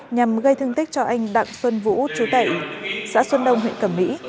nhằm gây thương tích cho anh đặng xuân vũ chú tẩy xã xuân đông huyện cẩm mỹ